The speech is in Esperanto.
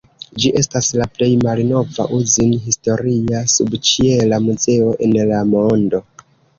Ĝi estas la plej malnova uzin-historia subĉiela muzeo en la mondo.